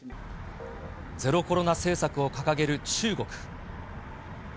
ゼロコロナ政策を掲げる中国。